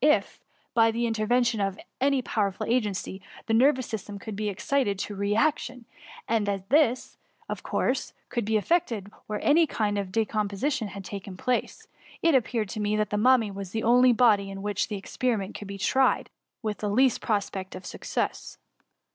if, by the intervention of any powerful agency, the nervous system could be excited to re action ; and as this, of course, could not be effected where any kind of decom position had taken place, it appeared to me that a mummy was the only body upon which the experiment could be tried with ' the least pro spect of success.